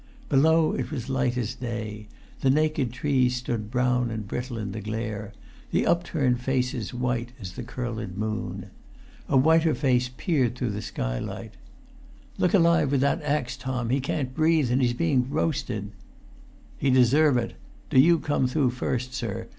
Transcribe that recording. Below it was light as day; the naked trees stood brown and brittle in the glare; the upturned faces white as the curled moon. A whiter face peered through the skylight. "Look alive with that axe, Tom; he can't breathe, and he's being roasted!" "He deserve ut! Do you come through first, sir.